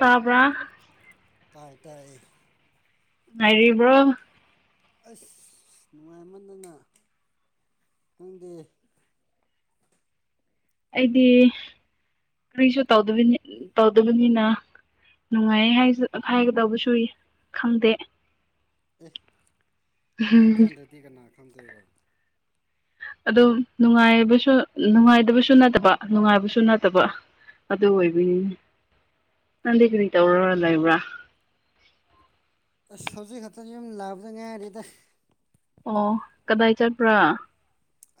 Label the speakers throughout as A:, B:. A: ꯇꯥꯕ
B: ꯇꯥꯏ ꯇꯥꯏ
A: ꯃꯔꯤꯔꯤꯕ꯭ꯔꯣ
B: ꯑꯁ ꯅꯨꯡꯉꯥꯏꯃꯗꯅ ꯈꯪꯗꯦ
A: ꯑꯩꯗꯤ ꯀꯔꯤꯁꯨ ꯇꯧ ꯇꯧꯗꯕꯅꯤꯅ ꯅꯨꯡꯉꯥꯏꯁꯨ ꯍꯥꯏꯒꯗꯧꯕꯁꯨ ꯈꯪꯗꯦ
B: ꯑꯦ ꯅꯪ ꯈꯟꯗ꯭ꯔꯗꯤ ꯀꯅꯥ ꯈꯪꯗꯦꯕ
A: ꯑꯗꯨꯝ ꯅꯨꯡꯉꯥꯏꯕꯁꯨ ꯅꯨꯡꯉꯥꯏꯇꯕꯁꯨ ꯅꯠꯇꯕ ꯅꯨꯡꯉꯥꯏꯕꯁꯨ ꯅꯠꯇꯕ ꯑꯗꯨꯗ ꯑꯣꯏꯕꯤ ꯅꯪꯗꯤ ꯀꯗꯤ ꯇꯧꯔꯔ ꯂꯩꯕ꯭ꯔꯥ
B: ꯑꯁ ꯍꯧꯖꯤꯛ ꯈꯛꯇ ꯌꯨꯝ ꯂꯥꯛꯕꯗ ꯉꯥꯏꯔꯤꯗ
A: ꯑꯣ ꯀꯗꯥꯏ ꯆꯠꯄ꯭ꯔꯥ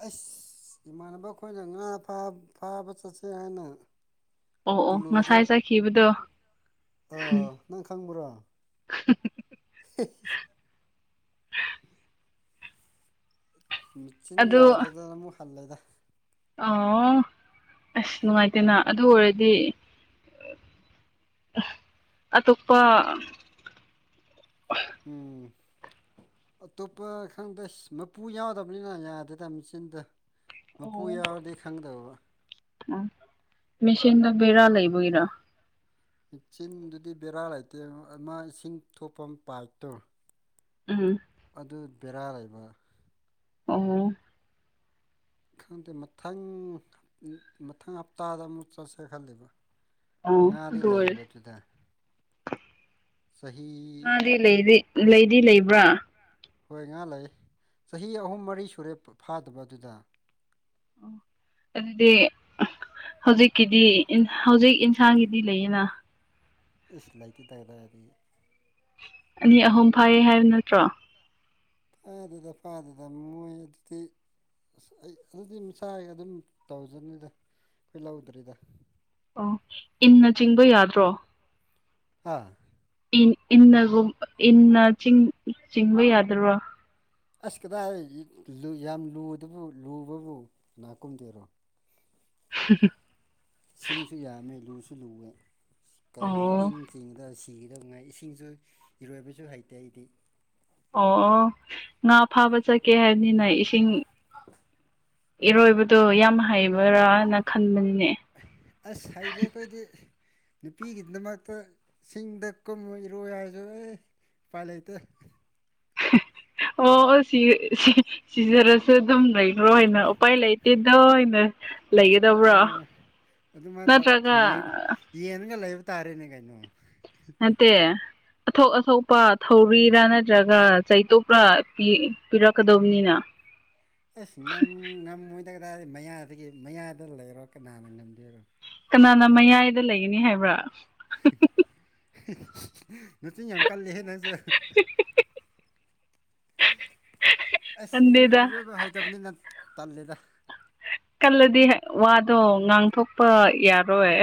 B: ꯑꯩꯁ ꯏꯃꯥꯟꯅꯕ ꯑꯩꯈꯣꯏꯅ ꯉꯥ ꯐꯥꯕ ꯆꯠꯁꯦ ꯍꯥꯏꯅ
A: ꯑꯣ ꯑꯣ ꯉꯁꯥꯏ ꯆꯠꯈꯤꯕꯗꯣ
B: ꯑ ꯅꯪ ꯈꯪꯕ꯭ꯔꯣ ꯃꯆꯤꯟ
A: ꯑꯗꯨ
B: ꯌꯥꯗꯗꯅ ꯑꯃꯨꯛ ꯍꯜꯂꯦꯗ
A: ꯑꯣ ꯑꯁ ꯅꯨꯡꯉꯥꯏꯇꯦꯅ ꯑꯗꯨ ꯑꯣꯏꯔꯗꯤ ꯑꯇꯣꯞꯄ
B: ꯎꯝ ꯑꯇꯣꯞꯄ ꯈꯪꯗ ꯃꯄꯨ ꯌꯥꯎꯗꯕꯅꯤꯅ ꯌꯥꯗꯦꯗ ꯃꯆꯤꯟꯗ ꯃꯄꯨ
A: ꯑꯣ
B: ꯌꯥꯎꯔꯗꯤ ꯈꯪꯗꯕ
A: ꯃꯦꯁꯤꯟꯗ ꯕꯦꯔꯥ ꯂꯩꯕꯒꯤꯔꯥ
B: ꯃꯆꯤꯟꯗꯨꯗꯤ ꯕꯦꯔꯥ ꯂꯩꯇꯦ ꯑꯃ ꯏꯁꯤꯡ ꯊꯣꯛꯐꯝ ꯄꯥꯏꯞꯇꯣ
A: ꯎꯝ
B: ꯑꯗꯨ ꯕꯦꯔꯥ ꯂꯩꯕ
A: ꯑꯣ
B: ꯈꯪꯗꯦ ꯃꯊꯪ ꯃꯊꯪ ꯍꯞꯇꯥꯗ ꯑꯃꯨꯛ ꯆꯠꯁꯦ ꯈꯂꯦꯕ
A: ꯑꯣ
B: ꯉꯥꯗꯤ ꯂꯩꯕꯗꯨꯗ
A: ꯃꯥꯗꯤ ꯂꯩꯗꯤ ꯂꯩꯗꯤ ꯂꯩꯕ꯭ꯔꯥ
B: ꯍꯣꯏ ꯉꯥ ꯂꯩ ꯆꯍꯤ ꯑꯍꯨꯝ ꯃꯔꯤ ꯁꯨꯔꯦ ꯐꯥꯗꯕ ꯑꯗꯨꯗ
A: ꯑꯣ ꯑꯗꯨꯗꯤ ꯍꯧꯖꯤꯛꯀꯤꯗꯤ ꯍꯧꯖꯤꯛ ꯏꯟꯁꯥꯡꯒꯤꯗꯤ ꯂꯩꯌꯦꯅ
B: ꯑꯩ ꯂꯩꯥꯏꯇ ꯇꯗꯔꯗꯤ
A: ꯑꯅꯤ ꯑꯍꯨꯝ ꯐꯥꯏꯌꯦ ꯍꯥꯏꯕ ꯅꯠꯇ꯭ꯔꯣ
B: ꯐꯥꯗꯨꯗ ꯐꯥꯗꯅ ꯃꯣꯏ ꯑꯗꯨꯗꯤ ꯑꯁ ꯑꯩ ꯑꯗꯨꯗꯤ ꯃꯁꯥ ꯑꯗꯨꯝ ꯇꯧꯖꯅꯤꯗ ꯑꯩꯈꯣꯏ ꯂꯧꯗ꯭ꯔꯤꯗ
A: ꯑꯣ ꯏꯟꯅ ꯆꯤꯡꯕ ꯌꯥꯗ꯭ꯔꯣ
B: ꯑꯥ
A: ꯏꯟꯅꯒꯨꯝ ꯏꯟꯅ ꯆꯤꯡ ꯆꯤꯡꯕ ꯌꯥꯗ꯭ꯔꯣ
B: ꯑꯁ ꯀꯗꯥꯏ ꯌꯥꯝ ꯂꯨꯗꯕꯨ ꯂꯨꯕꯕꯨ ꯅꯥꯀꯨꯝꯗꯦꯔꯣ
A: [inaudible]
B: ꯁꯤꯡꯁꯨ ꯌꯥꯝꯃꯦ ꯂꯨꯁꯨ ꯂꯨꯋꯦ ꯀꯩ
A: ꯑꯣ
B: ꯏꯟ ꯆꯤꯡꯗ ꯀꯤꯒꯗꯧꯉꯥꯏ ꯏꯁꯤꯡꯁꯨ ꯏꯔꯣꯏꯕꯁꯨ ꯍꯩꯇꯦ ꯑꯩꯗꯤ
A: ꯑꯣ ꯑꯣ ꯉꯥ ꯐꯥꯕ ꯆꯠꯀꯦ ꯍꯥꯏꯕꯅꯤꯅ ꯏꯁꯤꯡ
B: [inaudible]
A: ꯏꯔꯣꯏꯕꯗꯣ ꯌꯥꯝ ꯍꯩꯕꯔꯅ ꯈꯟꯕꯅꯤ
B: ꯑꯁ ꯍꯥꯏꯗꯤ ꯑꯩꯈꯣꯏꯗꯤ ꯅꯨꯄꯤꯒꯤꯗꯃꯛꯇ ꯁꯤꯡꯗ ꯀꯨꯝꯃ ꯏꯔꯣꯏ ꯍꯥꯏꯔꯁꯨ ꯑꯦ ꯐꯥꯏꯂꯥꯏꯇ
A: ꯑꯣ ꯁꯤ ꯁꯤ ꯁꯤꯖꯔꯁ ꯁ ꯑꯗꯨꯝ ꯂꯩꯈ꯭ꯔꯣꯅ ꯎꯄꯥꯏ ꯂꯩꯇꯦꯗꯣ ꯑꯣꯏꯅ
B: ꯑꯥ ꯑꯗꯨꯃꯥꯏꯅ
A: ꯅꯠꯇ꯭ꯔꯒ
B: ꯌꯦꯟꯒ ꯂꯩꯕ ꯇꯥꯔꯦꯅꯦ ꯀꯩꯅꯣ
A: ꯃꯠꯇ ꯑꯊꯣꯛ ꯑꯊꯣꯛꯄ ꯊꯧꯔꯤꯔꯥ ꯅꯠꯇ꯭ꯔꯒ ꯆꯩꯇꯣꯄꯔ ꯄꯤꯔꯛꯀꯗꯧꯕꯅꯤꯅ ꯎ
B: ꯑꯁ ꯉꯝꯃꯣꯏꯗꯒꯗꯥꯥꯔꯗꯤ ꯃꯌꯥꯁꯤꯒꯤ ꯃꯌꯥꯗ ꯂꯩꯔꯣ ꯀꯅꯥꯅ ꯉꯝꯗꯦꯔꯣ
A: ꯀꯅꯥꯅ ꯃꯌꯥꯏꯗ ꯂꯩꯒꯅꯤ ꯍꯥꯏꯕ꯭ꯔꯥ
B: [inaudible] ꯅꯆꯤꯟ ꯌꯥꯝ ꯀꯜꯂꯤꯍꯦ ꯅꯪꯁꯨ ꯑꯁ
A: ꯈꯟꯗꯦꯗ
B: ꯏꯔꯣꯏꯕ ꯍꯥꯏꯇꯕꯅꯤꯅꯪ ꯇꯜꯂꯦꯗ
A: ꯀꯜꯂꯗꯤ ꯋꯥꯗꯣ ꯉꯥꯡꯊꯣꯛꯄ ꯌꯥꯔꯣꯏ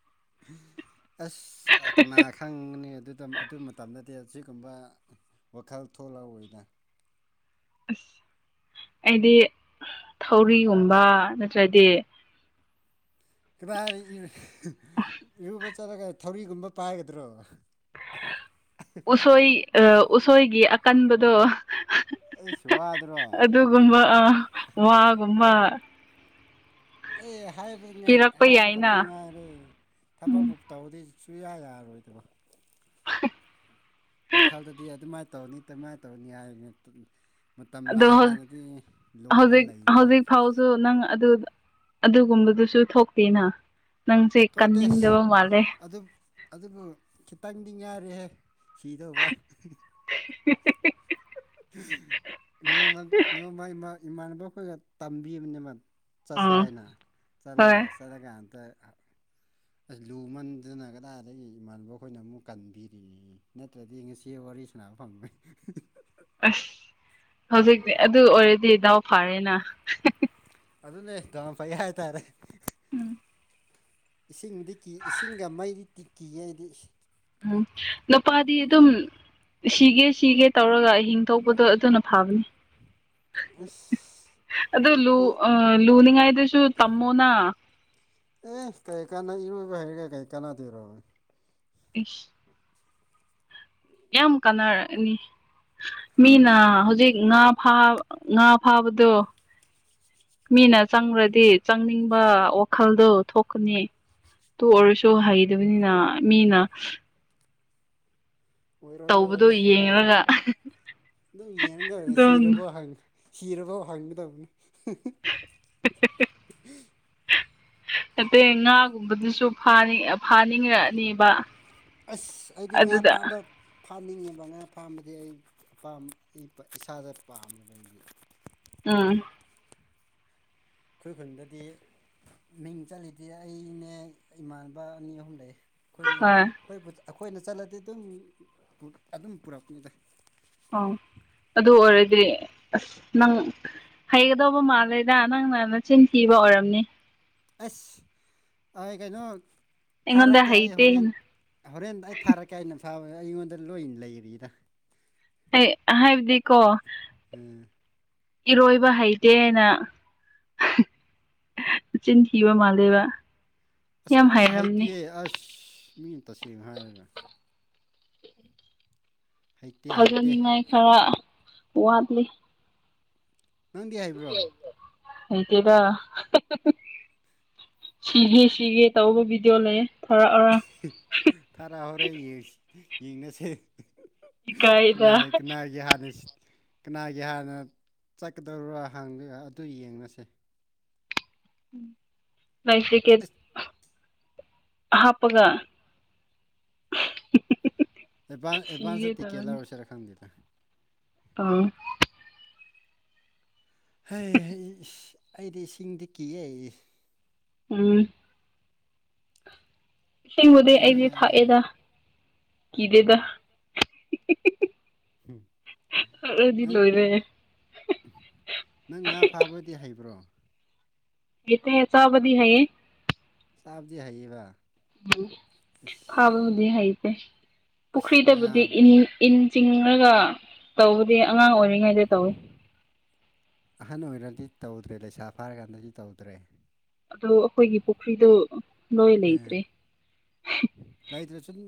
B: [inaudible] ꯑꯁ ꯀꯅꯥ ꯈꯪꯅꯤ ꯑꯗꯨꯗ ꯑꯗꯨ ꯃꯇꯝꯗ ꯑꯁꯤꯒꯨꯝꯕ ꯋꯥꯈꯜ ꯊꯣꯛꯂꯛꯑꯣꯏ ꯑꯣꯏꯅ
A: ꯑꯁ ꯑꯩꯗꯤ ꯊꯧꯔꯤꯒꯨꯝꯕ ꯅꯠꯇ꯭ꯔꯗꯤ
B: ꯀꯗꯥ ꯍꯥꯏꯗ ꯏꯔꯨꯕ ꯆꯠꯂꯒ ꯊꯧꯔꯤꯒꯨꯝꯕ ꯄꯥꯏꯒꯗ꯭ꯔꯣ
A: ꯎꯁꯣꯏ ꯑ ꯎꯁꯣꯏꯒꯤ ꯑꯀꯟꯕꯗꯣ
B: ꯑꯩꯁꯨ ꯋꯥꯗ꯭ꯔꯣ
A: ꯑꯗꯨꯒꯨꯝꯕ ꯑ ꯋꯥꯒꯨꯝꯕ
B: ꯑꯩ ꯍꯥꯏꯕ
A: ꯄꯤꯔꯛꯄ
B: ꯍꯥꯏꯕ
A: ꯌꯥꯏꯅ
B: ꯈꯛꯇꯪ ꯉꯥꯏꯔꯦ
A: ꯎꯝ
B: ꯊꯕꯛꯕꯨ ꯇꯧꯗꯣꯏ ꯁꯨꯌꯥ ꯌꯥꯔꯣꯏꯗꯕ ꯋꯥꯈꯜꯗꯗꯤ ꯑꯗꯨꯃꯥꯏꯅ ꯇꯧꯅꯤ ꯀꯃꯥꯏꯅ ꯇꯧꯅꯤ ꯍꯥꯏ
A: ꯑꯗꯣ ꯍꯧꯖꯤꯛ
B: ꯂꯩꯅꯤ
A: ꯍꯧꯖꯤꯛ ꯐꯥꯎꯁꯨ ꯅꯪ ꯑꯗꯨ ꯑꯗꯨꯒꯨꯝꯕꯗꯨꯁꯨ ꯊꯣꯛꯇꯦꯅ ꯅꯪꯁꯦ
B: ꯇꯣ ꯇꯦꯁ
A: ꯀꯟꯅꯤꯡꯗꯕ ꯃꯥꯜꯂꯦ
B: ꯑꯗꯨꯝ ꯑꯗꯨꯕꯨ ꯈꯤꯇꯪ ꯉꯔꯦꯍꯦ ꯁꯤꯗꯧꯕ
A: [unintelligible]
B: ꯅꯣꯡꯃ ꯅꯣꯡꯃꯃ ꯏꯃꯥꯟꯅꯕ ꯑꯩꯈꯣꯏꯒ ꯇꯝꯕꯤꯕꯅꯦ ꯃꯥ ꯆꯠꯁꯦ
A: ꯑꯥ
B: ꯍꯥꯏꯅ ꯆꯠꯂꯦ
A: ꯍꯣꯏ
B: ꯆꯠꯂꯒ ꯑꯝꯇ ꯑꯁ ꯂꯨ ꯃꯟꯗꯅꯒꯗꯥꯗꯒꯤ ꯏꯃꯥꯟꯅꯕ ꯑꯩꯈꯣꯏꯅ ꯑꯃꯨꯛ ꯀꯟꯕꯤꯔꯤꯅꯤ ꯅꯠꯇ꯭ꯔꯗꯤ ꯉꯁꯤ ꯋꯥꯔꯤ ꯄꯁꯅꯥ ꯐꯪꯃꯦ
A: ꯑꯁ ꯍꯧꯖꯤꯛꯇꯤ ꯑꯗꯨ ꯑꯣꯏꯔꯗꯤ ꯗꯥꯎ ꯐꯥꯔꯦꯅ
B: ꯑꯗꯨ ꯅꯅꯦ ꯇ ꯐꯩ ꯍꯥꯏ ꯇꯔꯦ
A: ꯎꯝ
B: ꯏꯁꯤꯡꯕꯨꯗꯤ ꯀꯤ ꯏꯁꯤꯡꯒ ꯃꯩꯗꯤ ꯇꯤ ꯀꯤ ꯑꯩꯗꯤ
A: ꯎꯝ ꯏ ꯄꯗꯤ ꯑꯗꯨ ꯑꯗꯨꯝ ꯁꯤꯒꯦ ꯁꯤꯒꯦ ꯇꯧꯔꯒ ꯑꯍꯤꯡ ꯊꯣꯛꯄꯗꯣ ꯑꯗꯨꯅ ꯐꯥꯕꯅꯦ
B: ꯑꯁ
A: ꯑꯗꯨ ꯂꯨ
B: ꯑꯩ
A: ꯑ ꯂꯨꯅꯤꯡꯉꯥꯏꯗꯁꯨ ꯇꯝꯃꯣꯅ
B: ꯑꯦ ꯀꯔꯤ ꯀꯥꯟꯅ ꯏꯔꯣꯏꯕ ꯍꯥꯏꯩꯔꯒꯦ ꯀꯔꯤ ꯀꯥꯟꯅꯥꯅꯗꯤꯔꯣꯦ
A: ꯏ ꯌꯥꯝ ꯀꯥꯟꯅꯔꯅꯤ ꯃꯤꯅ ꯍꯧꯖꯤꯛ ꯉꯥ ꯉꯥ ꯐꯥꯕꯗꯣ ꯃꯤꯅ ꯆꯪꯈ꯭ꯔꯗꯤ ꯆꯪꯅꯤꯡꯕ ꯋꯥꯈꯜꯗ ꯊꯣꯛꯀꯅꯤ ꯇꯣ ꯑꯣꯏꯔꯁꯨ ꯍꯩꯗꯕꯅꯤꯅ ꯃꯤꯅ
B: ꯑꯣꯏꯔꯣꯏ
A: ꯇꯧꯕꯗꯣ
B: ꯑꯣꯏꯔꯣꯏ
A: ꯌꯦꯡꯔꯒ
B: ꯑꯗꯨꯝ ꯌꯦꯒꯗ
A: ꯑꯗꯨꯝ
B: ꯁꯤꯔꯕꯣ ꯍꯪꯉꯦ ꯍꯤꯔꯐꯥꯎ ꯍꯪꯒꯗꯕꯅꯤ
A: [unintelligible] ꯍꯥꯏꯠꯇꯇꯩ ꯉꯥꯒꯨꯝꯕꯗꯨꯁꯨꯅꯤꯡ ꯐꯥꯅꯤꯡꯉꯛꯑꯅꯦꯕ
B: ꯑꯁ ꯑꯩꯗꯤ ꯉꯥ ꯐꯥꯕ ꯐꯥꯅꯤꯡꯉꯤꯕ ꯉꯥ ꯐꯥꯝꯕꯗꯤ ꯑꯩ ꯑꯄꯥꯝꯕ ꯑꯩ ꯏꯁꯥꯗ ꯄꯥꯝꯃꯦꯕꯗꯤ
A: ꯑꯥ
B: ꯑꯩꯈꯣꯏ ꯈꯨꯟꯗꯗꯤ ꯃꯤꯡ ꯆꯠꯂꯤꯗꯤ ꯑꯩꯅꯦ ꯏꯃꯥꯟꯅꯕ ꯑꯅꯤ ꯑꯍꯨꯝ ꯂꯩ ꯑꯩꯈꯣꯏꯅꯦ
A: ꯍꯣꯏ
B: ꯑꯩꯈꯣꯏ ꯑꯩꯈꯣꯏꯅ ꯆꯠꯂꯗꯤ ꯑꯗꯨꯝ ꯑꯗꯨꯝ ꯄꯨꯔꯛꯄꯅꯦꯗ
A: ꯑꯣ ꯑꯗꯨ ꯑꯣꯏꯔꯗꯤ ꯑꯁ ꯅꯪ ꯍꯩꯒꯗꯧꯕ ꯃꯥꯜꯂꯦꯗ ꯅꯪꯅ ꯅꯆꯤꯟ ꯊꯤꯕ ꯑꯣꯏꯔꯝꯅꯤ
B: ꯑꯁ ꯀꯩꯅꯣ
A: ꯑꯩꯉꯣꯟꯗ
B: ꯊꯥꯔꯛꯀꯦ ꯑꯩ
A: ꯍꯩꯇꯦ
B: ꯍꯣꯔꯦꯟ ꯍꯣꯔꯦꯟ ꯑꯩ ꯊꯥꯔꯛꯀꯦ ꯑꯩꯩꯅ ꯐꯥꯕꯅꯦ ꯑꯩꯉꯣꯟꯗ ꯂꯣꯏꯅ ꯂꯩꯔꯤꯗ
A: ꯍ ꯍꯥꯏꯕꯗꯤꯀꯣ
B: ꯎꯝ
A: ꯏꯔꯣꯏꯕ ꯍꯩꯇꯦꯅ ꯆꯤꯟꯊꯕ ꯃꯥꯂꯦꯕ
B: ꯑꯁꯦꯡꯕꯅꯦ ꯍꯩꯇꯌꯦ ꯑꯁ ꯃꯤꯅ ꯇꯁꯦꯡꯅ ꯍꯥꯏꯔꯒ ꯍꯩꯇꯦ ꯍꯩꯇꯦ
A: ꯊꯥꯖꯅꯤꯡꯉꯥꯏ ꯈꯔ ꯋꯥꯠꯂꯤ
B: ꯅꯪꯗꯤ ꯍꯥꯏꯕ꯭ꯔꯣ
A: ꯑꯩꯇꯦꯗ ꯁꯤꯒꯦ ꯁꯤꯒꯦ ꯇꯧꯕꯧꯕꯕꯗ꯭ꯣ ꯂꯩꯦ
B: ꯐꯔꯥ ꯍꯣꯔꯦ ꯌꯦꯡꯁꯤ ꯌꯦꯡꯅꯁꯦ
A: ꯏꯀꯥꯏꯗ
B: ꯀꯅꯥꯏ ꯀꯅꯥꯏꯒꯤꯦ ꯍꯥꯟꯅ ꯀꯅꯥꯒꯤ ꯍꯥꯟꯅ ꯆꯠꯀꯗꯧꯔꯣ ꯍ ꯑꯗꯨ ꯌꯦꯡꯅꯁꯦ
A: ꯃꯩꯁꯤ ꯀꯦ
B: ꯑꯁ
A: ꯍꯥꯞꯄꯒ
B: ꯑꯦꯚ
A: ꯁꯤꯒꯦ
B: ꯑꯦꯗꯚꯥꯟꯁ ꯇꯤꯀꯦꯂ ꯑꯣꯏꯔꯁꯔ ꯈꯪꯗꯗ
A: ꯑꯥ
B: ꯍꯩ ꯍꯦ ꯑꯩꯗꯤ ꯏꯁꯤꯡꯗꯤ ꯀꯤꯑꯦ
A: ꯎꯝ ꯏꯦꯡꯕꯨꯗꯤ
B: ꯑ,
A: ꯑꯩꯗꯤꯦ ꯊꯥꯛꯑꯦꯗ ꯀꯤꯗꯦꯗ
B: ꯎꯝ ꯍꯨꯝ
A: ꯑꯗꯨꯗꯤ
B: ꯅꯪ
A: ꯂꯣꯏꯔꯦ
B: ꯅꯪ ꯉꯥ ꯐꯥꯕꯗꯤ ꯍꯩꯕ꯭ꯔꯣ
A: ꯍꯩꯇꯦꯍꯦ ꯆꯥꯕꯗꯤ ꯍꯥꯏꯌꯦ
B: ꯆꯥꯕꯗꯤ ꯍꯩꯌꯦꯕ
A: ꯎꯝ
B: ꯏꯁ
A: ꯐꯥꯕꯕꯨꯗꯤ ꯍꯩꯇꯦ
B: ꯏꯁ ꯉꯥ
A: ꯄꯨꯈ꯭ꯔꯤꯗꯕꯨꯗꯤ ꯏꯟ ꯏꯟ ꯆꯤꯡꯉꯒ ꯇꯧꯕꯗꯤ ꯑꯉꯥꯡ ꯑꯣꯏꯔꯤꯉꯩꯗ ꯇꯧꯋꯤ
B: ꯑꯍꯟ ꯑꯣꯏꯅꯗꯤ ꯇꯧꯗ꯭ꯔꯦ ꯂꯩꯁꯥ ꯐꯥꯔꯀꯥꯟꯗꯗꯤ ꯇꯧꯗ꯭ꯔꯦ
A: ꯑꯗꯣ ꯑꯩꯈꯣꯏꯒꯤ ꯄꯨꯈ꯭ꯔꯤꯗꯣ ꯂꯣꯏ
B: ꯎꯝ
A: ꯂꯩꯇ꯭ꯔꯦ
B: ꯁꯨꯝ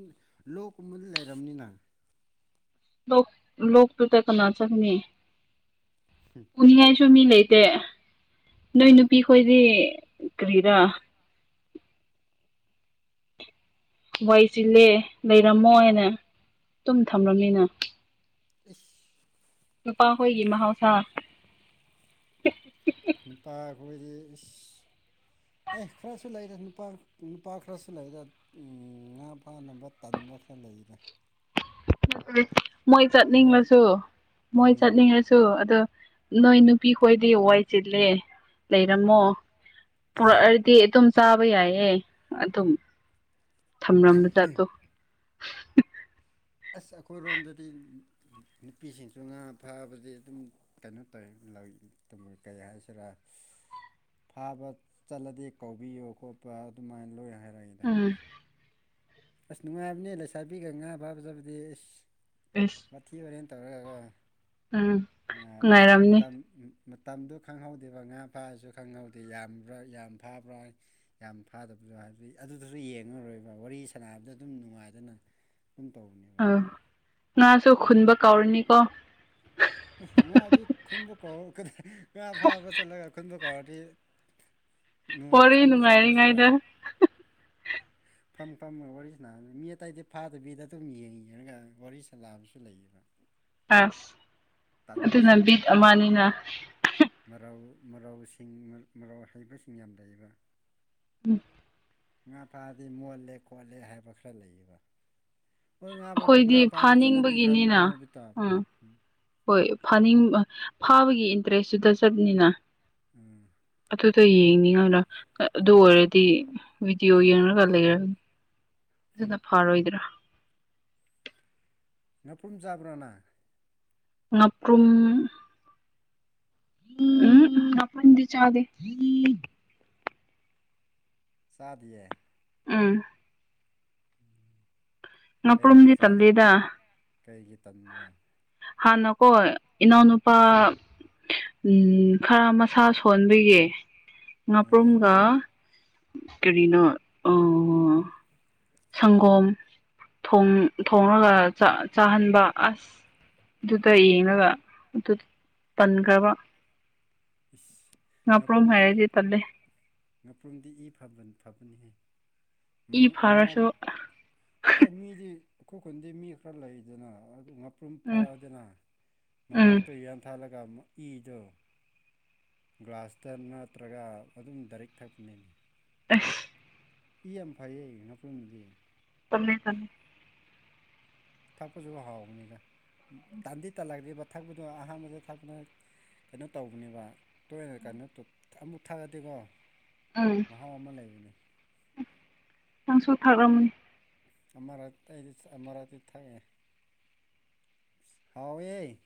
B: ꯂꯣꯛꯀꯨꯝꯕꯗ ꯂꯩꯔꯕꯅꯤꯅ
A: ꯂ ꯂ ꯇꯨ ꯇ ꯀꯅꯥ ꯆꯅꯤ ꯈꯨꯅꯌꯥ ꯁꯨꯝꯃꯤ ꯂꯩꯇꯦ ꯅꯣꯏ ꯅꯨꯄꯤ ꯈꯣꯏꯗꯤ ꯀꯔꯤꯔ ꯋꯥꯏ ꯆꯤꯜꯂꯦ ꯂꯩꯔꯝꯃꯣ ꯍꯥꯏꯅ ꯇꯨꯝ ꯊꯝꯂꯝꯃꯤꯅ
B: ꯏꯁ
A: ꯅꯨꯄꯥ ꯍꯣꯒꯤ ꯃꯍꯥꯎꯁꯥ
B: ꯅꯤꯄꯥ ꯔꯤꯁ ꯑꯦ ꯈꯔꯁꯨ ꯂꯩꯔꯦ ꯅꯨꯄꯥ ꯅꯨꯄꯥ ꯈꯔꯁꯨ ꯂꯩꯔꯦ ꯉꯥ ꯐꯥꯅꯕ ꯃꯐ ꯂꯩꯔꯦ
A: ꯎꯝ ꯃꯣꯏ
B: ꯃꯣꯏ
A: ꯆꯠꯅꯤꯡꯂꯁꯨ ꯃꯣꯏ
B: ꯎꯝ
A: ꯆꯠꯅꯤꯡꯂꯁꯨ ꯑꯗꯣ ꯅꯣꯏ ꯅꯨꯄꯤ ꯈꯣꯏꯗꯤ ꯋꯥꯏ ꯆꯤꯜꯂꯦ ꯂꯩꯔꯝꯃꯣ ꯄꯨꯔꯛꯑꯗꯤ ꯑꯗꯨꯝ ꯆꯥꯕ ꯌꯥꯏꯌꯦ ꯑꯗꯨꯝ ꯊꯝꯔꯝꯕ ꯖꯥꯠꯇꯣ
B: ꯑꯁ ꯑꯩꯈꯣꯏꯔꯣꯝꯗꯗꯤ ꯅꯨꯄꯤꯁꯤꯡꯁꯨ ꯉꯥ ꯐꯥꯕꯗꯤ ꯑꯗꯨꯝ ꯀꯩꯅꯣ ꯇꯧꯋꯦ ꯅ‌ꯣꯏ ꯇꯨꯝ ꯀꯩ ꯍꯥꯏꯁꯤꯔꯥ ꯐꯥꯕ ꯆꯠꯂꯗꯤ ꯀꯧꯕꯤꯌꯨ ꯈꯣꯠꯄ ꯑꯗꯨꯃꯥꯏꯅ ꯂꯣꯏ ꯍꯥꯏ
A: ꯎꯝ
B: ꯑꯁ ꯅꯨꯡꯉꯥꯏꯕꯅꯦ ꯂꯩꯁꯥꯕꯤꯒ ꯉꯥ ꯐꯥꯕ ꯆꯠꯕꯗꯤ ꯑꯩꯁ
A: ꯑꯦꯁ
B: ꯋꯥꯊꯤ ꯋꯥꯔ‌ꯦꯝ ꯇꯧꯔꯒ
A: ꯎꯝ
B: ꯅꯨꯡꯉꯥꯏꯕꯅꯤ
A: ꯉꯥꯏꯔꯝꯅꯤ
B: ꯃꯇꯝ ꯃꯇꯝꯗꯨ ꯈꯪꯍꯧꯗꯦꯕ ꯉꯥ ꯐꯥꯔꯁꯨ ꯈꯪꯍꯧꯗꯦ ꯌꯥꯝ ꯌꯥꯝ ꯐꯥꯕ꯭ꯔꯥ ꯌꯥꯝ ꯐꯥꯗꯕ ꯑꯗꯨ ꯍꯥꯏꯕꯗꯤ ꯑꯗꯨꯗꯁꯨ ꯌꯦꯡꯉꯔꯣꯏꯕ ꯋꯥꯔꯤ ꯁꯥꯟꯅꯕꯗ ꯑꯗꯨꯝ ꯅꯨꯡꯉꯥꯏꯗꯅ ꯑꯗꯨꯝ ꯇꯧꯕ
A: ꯑ ꯉꯥꯁꯨ ꯈꯨꯨꯟꯕ ꯀꯥꯎꯔꯅꯤꯀꯣ
B: ꯉꯥ ꯑꯗꯨꯗꯤ ꯈꯨꯟꯕ ꯀꯥꯎꯔꯅꯤꯀꯣ ꯐꯥꯕ ꯆꯠꯂꯒ ꯈꯨꯟꯕ ꯗꯤ
A: ꯋꯥꯔꯤ
B: ꯑꯃꯨꯛ ꯆꯠꯇ꯭ꯔꯁꯨ
A: ꯅꯨꯡꯉꯥꯏꯔꯤꯉꯩꯗ
B: ꯌꯥꯔꯦ
A: [inaudible]
B: ꯐꯝ ꯐꯝ ꯋꯥꯔꯤ ꯁꯥ ꯃꯤ ꯑꯇꯩꯗꯤ ꯐꯥꯗꯕꯤꯗ ꯑꯗꯨꯝ ꯌꯦꯡꯉꯤꯔꯒ ꯋꯥꯔꯤ ꯁꯥꯂꯑꯕꯁꯨ ꯂꯩꯌꯦꯕ
A: ꯑꯁ ꯑꯗꯨꯅ
B: ꯇꯟꯕꯁꯤꯡꯗꯣ
A: ꯕꯤꯠ ꯑꯃꯅꯤꯅ
B: ꯃꯔꯥꯎꯁꯤꯡ ꯃꯔꯥꯎ ꯍꯩꯕꯁꯤꯡ ꯌꯥꯝ ꯂꯩꯕ
A: ꯎꯝ
B: ꯉꯥ ꯐꯥꯔꯗꯤ ꯃꯣꯠꯂꯦ ꯈꯣꯠꯂꯦ ꯍꯥꯏꯕ ꯈꯔ ꯂꯩꯌꯦꯕ ꯍꯣꯏ ꯉꯥ ꯉꯥ
A: ꯑꯩꯈꯣꯏꯗꯤ
B: ꯐꯥꯕ ꯆꯠꯂꯗꯤ ꯈꯔ
A: ꯐꯥꯅꯤꯡꯕꯒꯤꯅꯤꯅ
B: ꯃꯣꯏꯕ
A: ꯎꯝ
B: ꯇꯥꯕꯅꯦ
A: ꯍꯣꯏ ꯐꯥꯅꯤꯡꯕ ꯐꯥꯕꯒꯤ ꯏꯟꯇꯔꯦꯁꯇꯨꯗ ꯆꯞꯅꯤꯅ
B: ꯎꯝ
A: ꯑꯗꯨ ꯌꯦꯡꯅꯤꯡꯉꯥꯔꯅ ꯑꯥ ꯑꯗꯨ ꯑꯣꯏꯔꯗꯤ ꯚꯤꯗꯤꯑꯣ ꯌꯦꯡꯔꯒ
B: ꯎꯝ
A: ꯂꯩꯔꯅꯤ ꯑꯗꯨꯅ ꯐꯔꯣꯏꯗ꯭ꯔꯥ
B: ꯉꯥꯄꯨꯝ ꯆꯥꯕ꯭ꯔꯣ ꯅ
A: ꯉꯥꯄ꯭ꯔꯨꯨꯝ ꯎꯍꯨꯝ ꯉꯥꯄꯔꯨꯝꯗꯤ ꯆꯥꯗ‌ꯦ
B: ꯆꯥꯗꯤꯌ‌ꯦ
A: ꯑꯥ ꯉꯄꯔꯨꯝꯗꯤ ꯇꯜꯂꯤꯗ
B: ꯀꯔꯤꯒꯤ ꯇꯝꯕꯔ
A: ꯍꯥꯟꯅꯀꯣ ꯑ ꯏꯅꯥꯎꯅꯨꯄꯥ ꯎꯝ ꯈꯔ ꯃꯁꯥ ꯁꯣꯟꯕꯒꯤ
B: ꯑꯥ
A: ꯉꯥꯄ꯭ꯔꯨꯝꯒ ꯀꯔꯤꯅꯣ ꯑ ꯁꯪꯒꯣꯝ ꯊꯣꯡ ꯊ‌ꯣꯡꯉꯒ ꯆꯥ ꯆꯥ ꯇꯧ ꯪꯍꯟꯕ ꯑꯁ ꯑꯗꯨꯒ ꯌꯦꯡꯉꯒ ꯑꯗꯨ ꯇꯟꯈ꯭ꯔꯕ
B: ꯏꯁ
A: ꯉꯥꯄ꯭ꯔꯨꯝ
B: ꯉꯥꯄ꯭ꯔꯣꯝꯗꯤ
A: ꯍꯥꯏꯔꯗꯤ ꯇꯜꯂꯦ
B: ꯉꯥꯄ꯭ꯔꯣꯝꯗꯤ ꯏ ꯐꯕ ꯐꯕꯅꯤꯍꯦ ꯃ
A: ꯏ
B: ꯃꯉꯛ
A: ꯐꯥꯔꯁꯨ
B: ꯑꯩ ꯃꯤꯗꯤ ꯑꯩꯈꯣꯏ ꯈꯨꯟꯗꯤ ꯃꯤ ꯈꯔ ꯂꯩꯗꯅ ꯑꯗꯨ ꯉꯥꯄ꯭ꯔꯨꯝ
A: ꯎꯝ
B: ꯐꯥꯔꯛꯑꯗꯅ
A: ꯎꯝ
B: ꯃꯉꯛꯇ‌ꯣ ꯌꯥꯟꯊꯥꯜꯂꯒ ꯃꯨꯛ ꯏꯗ‌ꯣ ꯒ꯭ꯂꯥꯁꯇ ꯅꯠꯇ꯭ꯔꯒ ꯑꯗꯨꯝ ꯗꯥꯏꯔꯤꯛ ꯊꯛꯄꯅꯤꯅ‌ꯦ
A: ꯑꯁ
B: ꯏ ꯌꯥꯝ ꯐꯩꯌꯦ ꯉꯥꯄꯔꯨꯝꯗꯤ
A: ꯊꯝꯃꯦ ꯊꯝꯃ‌ꯦ
B: ꯊꯛꯄꯁꯨ ꯍꯥꯎꯕꯅꯤꯗ ꯎꯝ ꯇꯥꯟꯗꯤ ꯇꯜꯂꯛꯅꯤꯕ ꯊꯛꯄꯗꯣ ꯑꯍꯥꯟꯕꯗ ꯊꯛꯄꯗ ꯀꯩꯅꯣ ꯇꯧꯕꯅꯦꯕ ꯇꯣꯏꯅ ꯀꯩꯅꯣ ꯑꯃꯨꯛ ꯊꯛꯑꯗꯤꯀꯣ
A: ꯎꯝ
B: ꯃꯍꯥꯎ ꯑꯃ ꯂꯩꯕꯅꯦ
A: ꯅꯪꯁꯨ ꯊꯥꯔꯝꯅꯤ
B: ꯑꯃꯔ ꯑꯩꯗꯤ ꯑꯃꯔꯥꯠꯇꯤ ꯊꯛꯑꯦ ꯍꯥꯎꯦ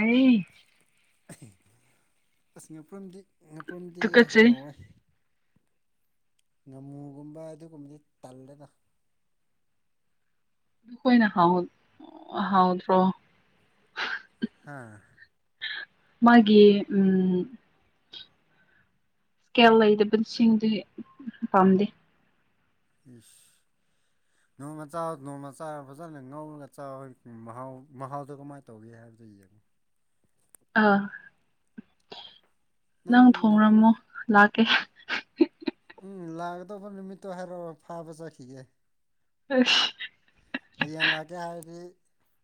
A: ꯑꯩ
B: ꯑꯁ ꯉꯄꯝꯗꯤ ꯉꯄ꯭ꯔꯣꯝꯗꯤ
A: ꯇꯨꯀꯠꯆꯩ
B: ꯍꯥꯎꯋꯥꯏ ꯉꯥꯃꯨꯒꯨꯝꯕ ꯑꯗꯨꯒꯨꯝꯕꯗꯤ ꯇꯜꯂꯦꯒ
A: ꯑꯗꯨꯈꯣꯏꯅ ꯍꯥꯎ ꯍꯥꯎꯗ꯭ꯔꯣ
B: ꯑꯥ
A: ꯃꯥꯒꯤꯦ ꯎꯝ ꯏꯁꯀꯦꯜ ꯂꯩꯗꯕꯁꯤꯡꯗꯤ ꯄꯥꯝꯗꯦ
B: ꯎ ꯅꯣꯡꯃ ꯅꯣꯡꯃꯆꯥ ꯐꯖꯅ ꯉꯧꯔꯒ ꯆ ꯃꯍꯥꯎ ꯃꯍꯥꯎꯗꯣ ꯀꯃꯥꯏꯅ ꯇꯧꯒꯦ ꯍꯥꯏꯕ ꯔꯗ ꯑꯗꯨ
A: ꯑ ꯅꯪ ꯊꯣꯡꯡꯂꯝꯃꯣ ꯂꯥꯛ [unintelligible]
B: ꯎꯝ ꯂꯥꯛꯀꯗꯧꯕ ꯅꯨꯃꯤꯠꯇꯣ ꯍꯥꯏꯔꯛꯑꯣ ꯐꯥꯕ ꯆꯠꯈꯤꯒꯦ
A: [unintelligible]
B: ꯍꯌꯦꯡ ꯂꯥꯛꯀꯦ ꯍꯥꯏꯔꯗꯤ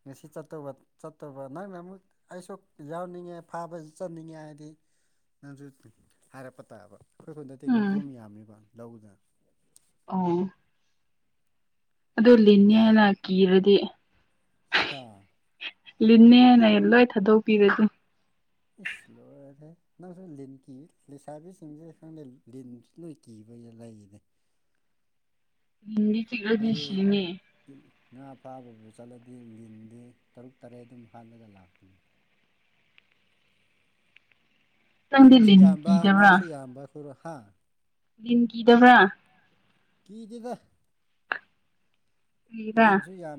B: ꯉꯁꯤ ꯆꯠꯇꯧꯕ ꯆꯠꯇꯧꯕ ꯅꯪꯅ ꯑꯃꯨꯛ ꯑꯩꯁꯨ ꯌꯥꯎꯅꯤꯡꯉꯦ ꯐꯥꯕꯁꯨ ꯆꯠꯅꯤꯡꯉꯦ ꯍꯥꯏꯗꯤ ꯅꯪꯁꯨ ꯍꯥꯏꯔꯛꯄ ꯇꯥꯕ ꯑꯩꯈꯣꯏ ꯈꯨꯟꯗꯗꯤ ꯉꯥꯄ꯭ꯔꯨꯝ ꯌꯥꯝꯃꯤꯕ ꯂꯧꯗ
A: ꯑ ꯑꯗꯨ ꯂꯤꯅꯤ ꯍꯥꯏꯅ ꯀꯤꯔꯗꯤ
B: ꯑꯥ
A: ꯂꯤꯅꯦꯅ ꯂꯣꯏ ꯊꯥꯗꯣꯛꯄꯤꯔꯗꯤ
B: ꯏꯁꯂꯣꯦ ꯂꯥ ꯂ ꯂ ꯀ ꯀ ꯂꯩꯅꯦ
A: ꯍꯗꯤ ꯆꯤꯒꯗꯤꯁꯤꯅꯦ
B: ꯉꯥ ꯐꯥꯕꯕꯨ ꯆꯠꯂꯗꯤ ꯂꯤꯟꯗꯤ ꯇꯔꯨꯛ ꯇꯔꯦꯠ ꯑꯗꯨꯝ ꯍꯥꯜꯂꯒ ꯂꯥꯛꯄꯅꯤ
A: ꯅꯪꯗꯤ
B: ꯂꯤꯟꯁꯨ
A: ꯂꯤꯟ
B: ꯌꯥꯝꯕ ꯉꯥꯁꯨ ꯌꯥꯝꯕ ꯑꯩꯈꯣꯏꯔꯣ ꯍꯥꯥ
A: ꯂꯤꯝ ꯀꯤꯗꯕ꯭ꯔꯥ
B: ꯀꯤꯗꯦꯗ
A: ꯀꯔꯤꯔꯥ
B: ꯂꯤꯟꯁꯨ ꯌꯥꯝ